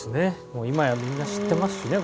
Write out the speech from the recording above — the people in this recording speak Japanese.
もう今やみんな知ってますしね